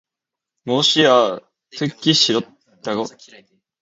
무엇이야, 듣기 싫다고?